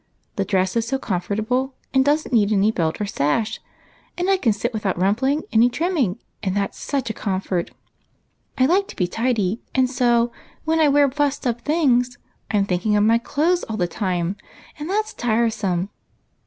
The dress is so comfortable, and does n't need any belt or sash, and I can sit with out rumpling any trimming, that 's such a comfort ! I like to be tidy, and so, when I wear fussed up things, I 'm thinking of my clothes all the time, and that 's tiresome.